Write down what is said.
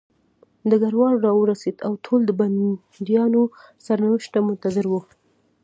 ډګروال راورسېد او ټول د بندیانو سرنوشت ته منتظر وو